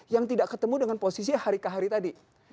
yang tidak ketemu dengan posisi hari ke hari tadi